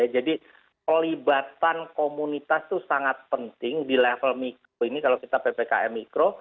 jadi pelibatan komunitas itu sangat penting di level mikro ini kalau kita ppkm mikro